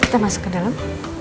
kita masuk ke dalam